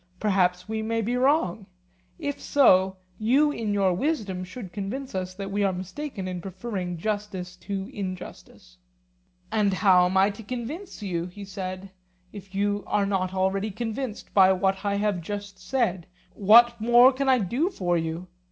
Perhaps we may be wrong; if so, you in your wisdom should convince us that we are mistaken in preferring justice to injustice. And how am I to convince you, he said, if you are not already convinced by what I have just said; what more can I do for you?